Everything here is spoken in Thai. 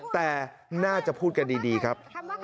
แต่น่าจะพูดกันดีครับ